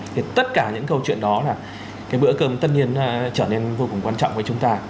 thì tất cả những câu chuyện đó là cái bữa cơm tất nhiên trở nên vô cùng quan trọng với chúng ta